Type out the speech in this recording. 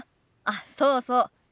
あっそうそう。